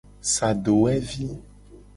Sa dowevi.